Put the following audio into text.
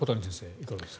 いかがですか。